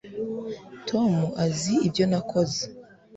tom azi ibyo nakoze